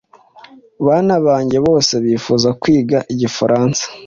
Bana banjye bose bifuza kwiga igifaransa.